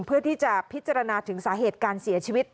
เพื่อที่จะพิจารณาถึงสาเหตุการเสียชีวิต